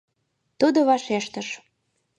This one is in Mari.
Тудо вашештыш: